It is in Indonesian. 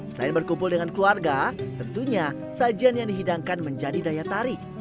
selain berkumpul dengan keluarga tentunya sajian yang dihidangkan menjadi daya tarik